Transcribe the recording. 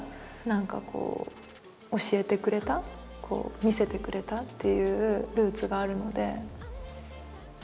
何かこう教えてくれた見せてくれたっていうルーツがあるので。